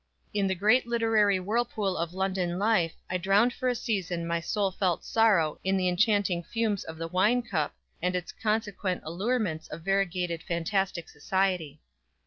In the great literary whirlpool of London life I drowned for a season my soul felt sorrow in the enchanting fumes of the wine cup, and its consequent allurements of variegated, fantastic society.